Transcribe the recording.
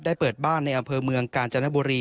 เปิดบ้านในอำเภอเมืองกาญจนบุรี